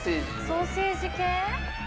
ソーセージ系？